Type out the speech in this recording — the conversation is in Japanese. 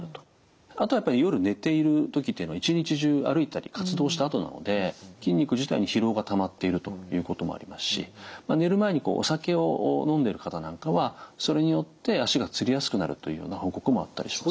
あとはやっぱり夜寝ている時っていうのは一日中歩いたり活動したあとなので筋肉自体に疲労がたまっているということもありますし寝る前にお酒を飲んでる方なんかはそれによって足がつりやすくなるというような報告もあったりします。